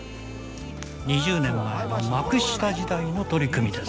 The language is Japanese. ２０年前の幕下時代の取組です。